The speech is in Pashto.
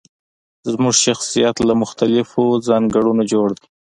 زموږ شخصيت له مختلفو ځانګړنو جوړ دی.